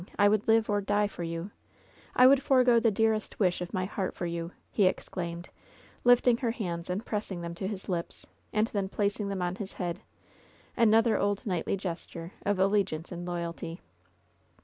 I would live or die for you ! I would forego the dearest wish of my heart for you !" he exclaimed, lifting her hands and pressing them to his lips, and then placing them on his head — another old knightly gesture of al legiance and loyalty.